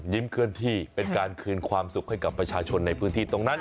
เคลื่อนที่เป็นการคืนความสุขให้กับประชาชนในพื้นที่ตรงนั้น